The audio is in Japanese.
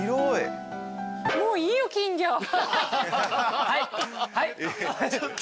はいはい。